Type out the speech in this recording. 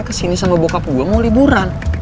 kesini sama bokap gue mau liburan